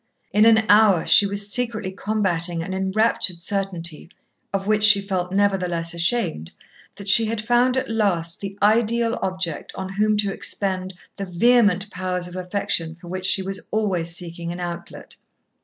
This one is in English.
In an hour, she was secretly combating an enraptured certainty, of which she felt nevertheless ashamed, that she had found at last the ideal object on whom to expend the vehement powers of affection for which she was always seeking an outlet.